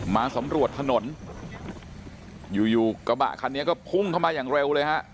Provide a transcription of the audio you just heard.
มาสำรวจถนนอยู่อยู่กระบะคันนี้ก็พุ่งเข้ามาอย่างเร็วเลยฮะ